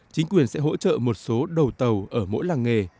chính quyền sẽ hỗ trợ một số đầu tàu ở mỗi làng nghề